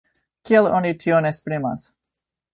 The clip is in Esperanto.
Kiel oni tion esprimas?